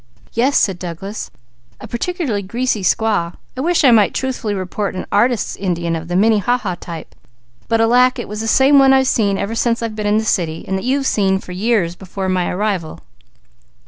"Yes," said Douglas. "A particularly greasy squaw. I wish I might truthfully report an artist's Indian of the Minnehaha type, but alack, it was the same one I've seen ever since I've been in the city, and that you've seen for years before my arrival."